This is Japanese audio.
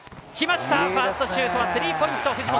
ファーストシュートはスリーポイント、藤本！